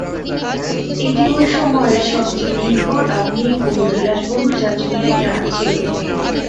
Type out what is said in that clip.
এটি ঐ সময়ের সবচেয়ে বৃহৎ আধুনিক ও বিলাসবহুল যাত্রীবাহী জাহাজ ছিল।